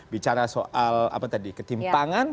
bicara soal ketimpangan